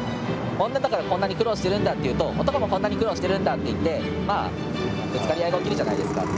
「女だからこんなに苦労してるんだ」って言うと「男もこんなに苦労してるんだ」って言ってまあぶつかり合いが起きるじゃないですか。